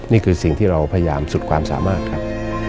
นี่คือสิ่งที่เราพยายามสุดความสามารถครับ